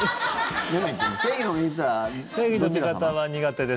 「正義の味方は苦手です」。